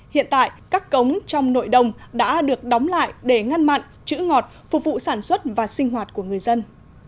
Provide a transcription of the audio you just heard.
hiện tại các cống trong nội đồng đã được đóng lại để ngăn mặn chữ ngọt phục vụ sản xuất và sinh hoạt của người dân